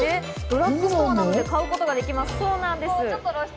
ドラッグストアなどで買うことができます。